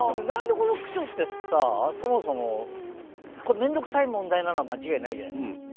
何で、この区長ってそもそも面倒くさい問題なのは間違いないじゃないですか。